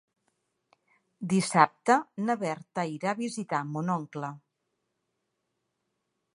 Dissabte na Berta irà a visitar mon oncle.